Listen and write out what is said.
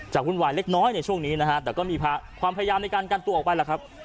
วุ่นวายเล็กน้อยในช่วงนี้นะฮะแต่ก็มีความพยายามในการกันตัวออกไปแล้วครับ